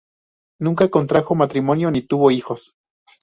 Nunca contrajo matrimonio ni tuvo hijos.